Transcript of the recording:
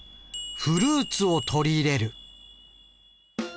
「フルーツを取り入れる」。